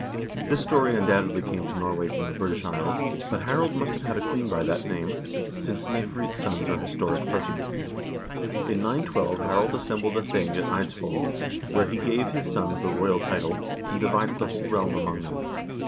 This story undoubtedly came to Norway from the British Isles, but Harald must have had a queen by that name, since Snefrid's sons are historic persons.1 In 912 Harald assembled a thing at Eidsvold, where he gave his sons the royal title, and divided the whole realm among them.